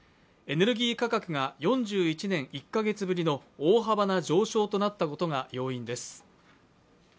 エネルギー価格が４１年１カ月ぶりの大幅な上昇となったことが要因です。